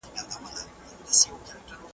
سياست اوس د هر وګړي په ژوند کي رول لري.